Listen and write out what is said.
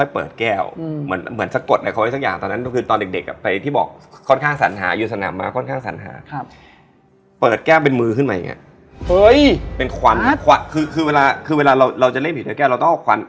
ผมไม่นอนนอนในรถ